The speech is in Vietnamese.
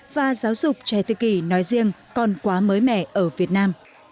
và giáo dục trẻ tự kỷ nói riêng còn quá mới mẻ ở việt nam